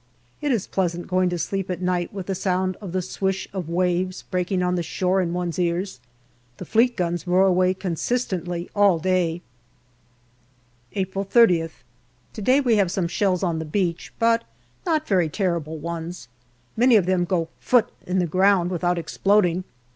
It is pleasant going to sleep at night with the sound of the swish of waves breaking on the shore in one's ears. The Fleet guns roar away consistently all day April 30th. To day we have some shells on the beach, but not very terrible ones. Many of them go " fut " in the ground without exploding.